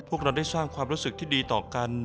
พวกเราได้สร้างความรู้สึกที่ดีต่อกัน